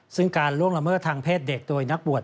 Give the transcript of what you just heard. ซึ่งการล่วงละเมิดทางเพศเด็กโดยนักบวช